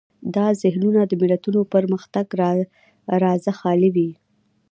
دا ذهنونه د ملتونو پرمختګ رازه خالي وي.